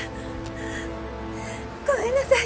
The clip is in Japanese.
ごめんなさい！